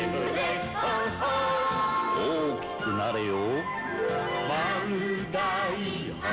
大きくなれよ。